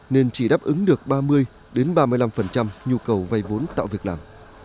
nên chỉ đáp ứng được ba mươi ba mươi năm nhu cầu vay vốn tạo việc làm